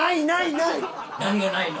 何がないの？